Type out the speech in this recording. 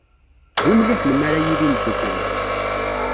D umliḥen mi ara ilin ddukkli.